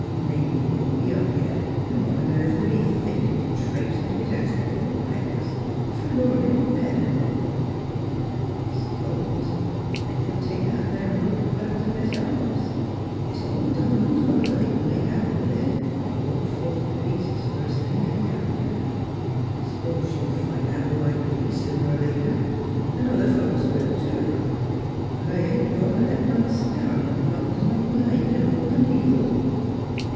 Mebbe he wouldn't be up yit; 'n' what on airth would he think o' me traipsin' t' his house b'fore breakfas' with Philura in bed 'n' all. I s'pose I c'd take that there robe back t' Mis' Hobbs. It's all done s' well 's I c'n make out with it. 'Twon't fall t' pieces first thing, anyhow. ... I s'pose she'll find out who I be, sooner er later. 'N' other 72 NEIGHBORS folks will, too; but I ain't a goin' t' let Ma starve, not s' long 's I c'n hold a needle."